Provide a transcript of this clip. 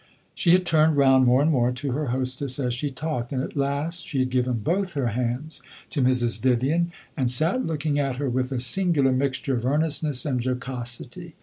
She had turned round more and more to her hostess as she talked; and at last she had given both her hands to Mrs. Vivian, and sat looking at her with a singular mixture of earnestness and jocosity.